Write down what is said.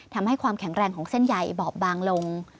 ทำให้ความแข็งแรงของเส้นใยบอบบางลง